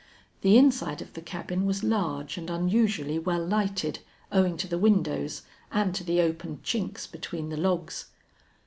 The inside of the cabin was large and unusually well lighted, owing to the windows and to the open chinks between the logs.